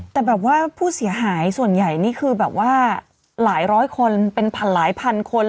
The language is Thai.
แต่แบบว่าผู้เสียหายส่วนใหญ่นี่คือแบบว่าหลายร้อยคนเป็นพันหลายพันคน